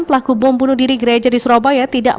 pelaku bom bunuh diri gereja di surabaya tidak